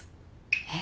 えっ？